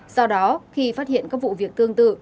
do đó khi phát hiện các vụ việc tương tự